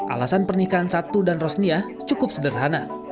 alasan pernikahan satu dan rosnia cukup sederhana